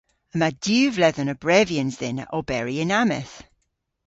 Yma diw vledhen a brevyans dhyn a oberi yn ammeth.